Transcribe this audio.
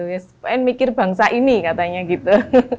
ya semuanya mikir bangsa ini katanya gitu